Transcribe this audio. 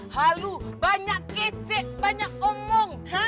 halo banyak kecek banyak omong